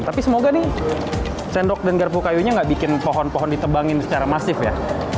tapi semoga nih sendok dan garpu kayunya gak bikin pohon pohon ditebangin secara masif ya